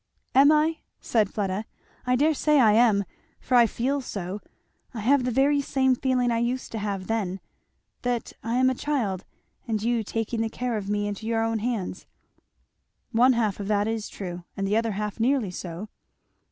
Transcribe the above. "Am I?" said Fleda. "I dare say I am, for I feel so. I have the very same feeling I used to have then, that I am a child, and you taking the care of me into your own hands." "One half of that is true, and the other half nearly so."